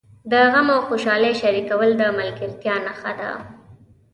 د غم او خوشالۍ شریکول د ملګرتیا نښه ده.